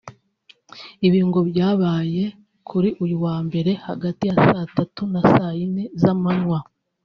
Ibi ngo byabaye kuri uyu wa mbere hagati ya saa tatu na saa yine z’amanywa